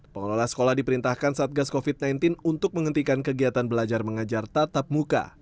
pengelola sekolah diperintahkan satgas covid sembilan belas untuk menghentikan kegiatan belajar mengajar tatap muka